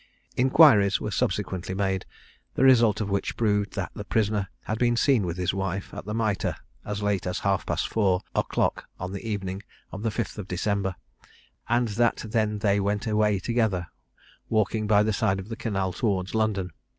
Inquiries were subsequently made, the result of which proved, that the prisoner had been seen with his wife at the Mitre, as late as half past four o'clock on the evening of the 5th December, and that then they went away together, walking by the side of the canal towards London.